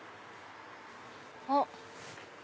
あっ。